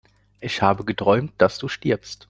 Ich habe geträumt, dass du stirbst!